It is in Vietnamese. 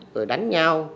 rồi đánh nhau